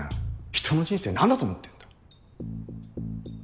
人の人生何だと思ってんだ。